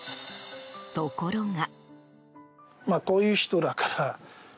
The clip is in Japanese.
ところが。